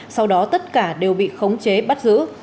sau đó tất cả đều bị khống chế bắt giữ